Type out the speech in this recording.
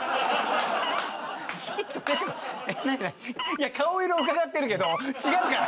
いや顔色をうかがってるけど違うから。